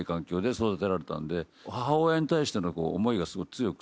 育てられたんで母親に対しての思いがすごい強くて。